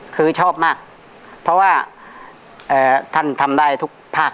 คือชอบมากเพราะว่าท่านทำได้ทุกภาค